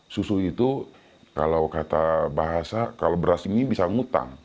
susu itu kalau kata bahasa kalau beras ini bisa ngutang